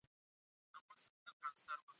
سیالي پانګوال د تولید پراخوالي ته مجبوروي